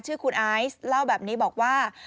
ชื่อคุณไอซ์เล่าแบบนี้บอกว่า